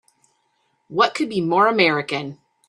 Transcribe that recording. What could be more American!